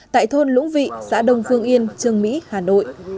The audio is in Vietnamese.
tại thôn lũng vị xã đông phương yên trường mỹ hà nội